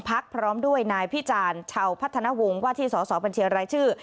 พร้อมด้วยนายพี่จานเช่าพัฒนวงศ์ว่าที่สสบัญเชียร์รายชื่อ